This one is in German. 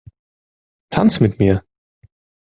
Tanz mit mir!